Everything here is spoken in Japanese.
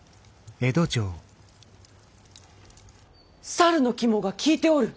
猿の肝が効いておる。